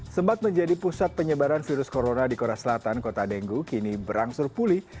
sembat menjadi pusat penyebaran virus corona di kota selatan kota denggu kini berangsur pulih